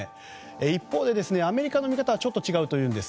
一方でアメリカの見方はちょっと違うんです。